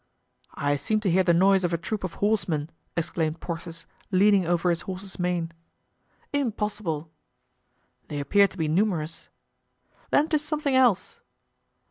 "I seem to hear the noise of a troop of horsemen," exclaimed Porthos, leaning over his horse's mane. "Impossible." "They appear to be numerous." "Then 'tis something else."